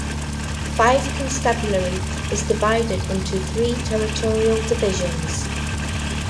Fife Constabulary was divided into three Territorial Divisions.